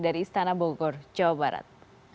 dari istana bogor jawa barat